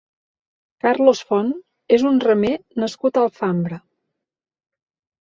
Carlos Front és un remer nascut a Alfambra.